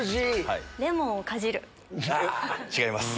違います。